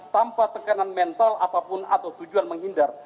tanpa tekanan mental apapun atau tujuan menghindar